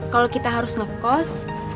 kalau kita harus ngekos